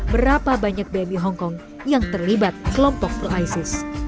berapa banyak bmi hongkong yang terlibat kelompok pelayar